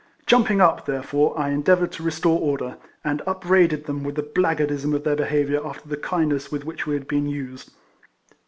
Jumping up, therefore, I endeavoured to restore order, and upbraided them with the blackguardism of their be haviour after the kindness with which we had been used.